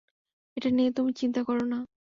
এটা নিয়ে তুমি চিন্তা করো না।